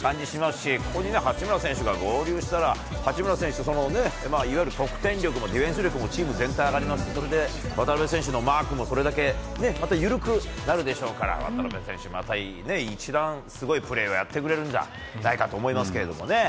しここに八村選手が合流したらいわゆる得点力もディフェンス力も全体的に上がりますし渡邊選手のマークもまた緩くなるでしょうから渡邊選手また一段とすごいプレーをやってくれるんじゃないかと思いますけどね。